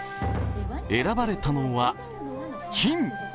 選ばれたのは「金」。